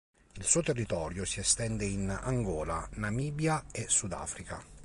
Il suo territorio si estende in Angola, Namibia e Sudafrica.